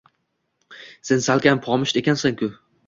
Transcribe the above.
Sen salkam poshist ekansan-ku!